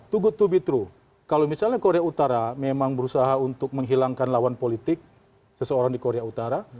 to go to be tru kalau misalnya korea utara memang berusaha untuk menghilangkan lawan politik seseorang di korea utara